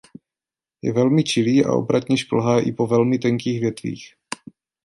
Je velmi čilý a obratně šplhá i po velmi tenkých větvích.